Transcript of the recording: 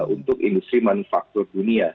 untuk industri manufaktur dunia